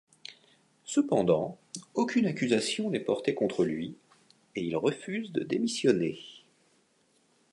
Cependant, aucune accusation n'est portée contre lui, et il refuse de démissionner.